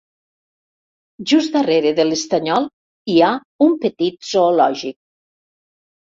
Just darrere de l'estanyol hi ha un petit zoològic.